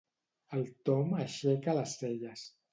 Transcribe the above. El Tom aixeca les celles.